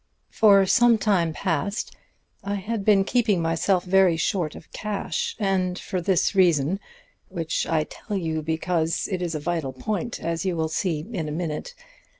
"For some time past I had been keeping myself very short of cash, and for this reason which I tell you because it is a vital point, as you will see in a minute.